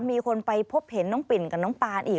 มีคนไปพบเห็นน้องปิ่นกับน้องปานอีก